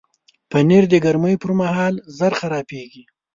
پنېر د ګرمۍ پر مهال ژر خرابیږي.